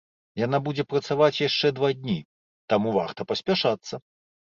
Яна будзе працаваць яшчэ два дні, таму варта паспяшацца.